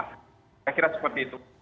saya kira seperti itu